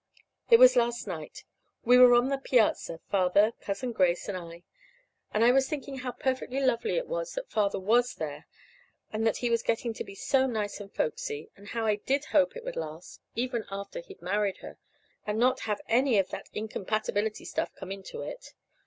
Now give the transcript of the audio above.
It was last night. We were on the piazza, Father, Cousin Grace, and I. And I was thinking how perfectly lovely it was that Father was there, and that he was getting to be so nice and folksy, and how I did hope it would last, even after he'd married her, and not have any of that incompatibility stuff come into it.